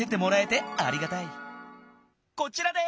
こちらです。